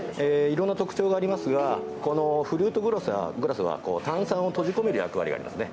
いろんな特徴がありますがこのフルートグラスは炭酸を閉じ込める役割がありますね。